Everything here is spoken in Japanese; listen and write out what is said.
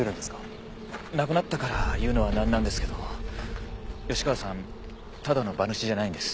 亡くなったから言うのはなんなんですけど吉川さんただの馬主じゃないんです。